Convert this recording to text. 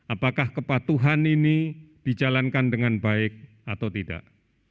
apakah kepatuhan ini dijalankan dengan baik atau tidak